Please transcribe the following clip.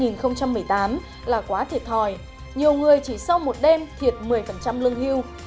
năm hai nghìn một mươi tám là quá thiệt thòi nhiều người chỉ sau một đêm thiệt một mươi lương hưu